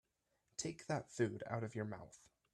Take that food out of your mouth.